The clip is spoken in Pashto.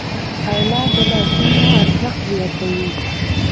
پیاله د لاسونو ارزښت زیاتوي.